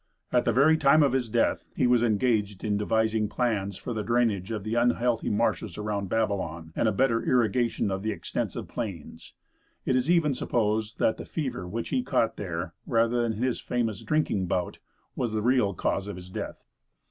At the very time of his death, he was engaged in devising plans for the drainage of the unhealthy marshes around Babylon, and a better irrigation of the extensive plains. It is even supposed that the fever which he caught there, rather than his famous drinking bout, was the real cause of his death.